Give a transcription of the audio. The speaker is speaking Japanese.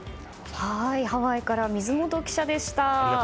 ハワイから水本記者でした。